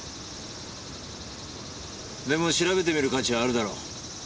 でも調べてみる価値はあるだろ。